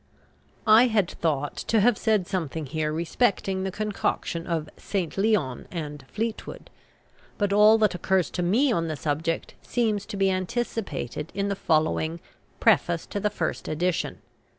I had thought to have said something here respecting the concoction of "St. Leon" and "Fleetwood." But all that occurs to me on the subject seems to be anticipated in the following PREFACE TO THE FIRST EDITION.